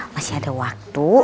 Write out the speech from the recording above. masih ada waktu